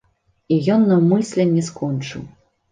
І ён наўмысля не скончыў.